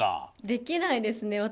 できないですね。